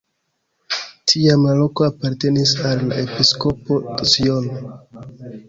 Tiam la loko apartenis al la episkopo de Siono.